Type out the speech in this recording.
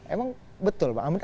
emang betul pak amin